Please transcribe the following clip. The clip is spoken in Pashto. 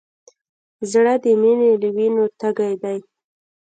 زړه د مینې له وینو تږی دی.